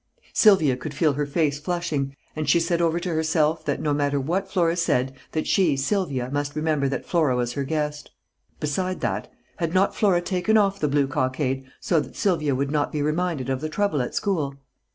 Sylvia could feel her face flushing, and she said over to herself that no matter what Flora said that she, Sylvia, must remember that Flora was her guest. Beside that, had not Flora taken off the blue cockade so that Sylvia would not be reminded of the trouble at school?